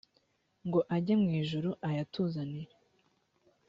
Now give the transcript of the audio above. ngo ajye mu ijuru ayatuzanire